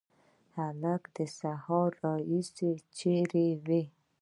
هلکه د سهار راهیسي چیري وې؟